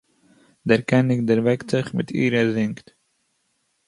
דער קעניג דערוועקט זיך, מיט איר ער זינגט.